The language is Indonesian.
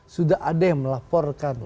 sudah ada yang melaporkan